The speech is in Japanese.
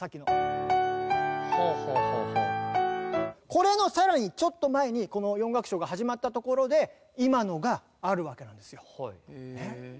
これのさらにちょっと前にこの４楽章が始まったところで今のがあるわけなんですよ。